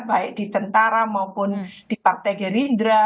baik di tentara maupun di partai gerindra